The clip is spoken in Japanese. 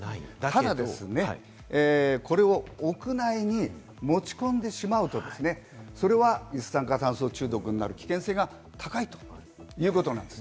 ただですね、これを屋内に持ち込んでしまうとですね、それは一酸化炭素中毒になる危険性が高いということなんです。